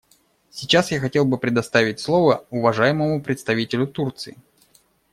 Сейчас я хотел бы предоставить слово уважаемому представителю Турции.